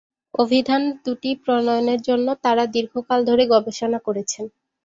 অভিধান দুটি প্রণয়নের জন্য তাঁরা দীর্ঘকাল ধরে গবেষণা করেছেন।